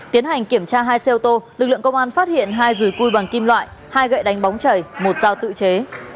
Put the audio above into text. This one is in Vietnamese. tiến hành kiểm tra hai xe ô tô lực lượng công an phát hiện hai rùi cui bằng kim loại hai gậy đánh bóng chảy một dao tự chế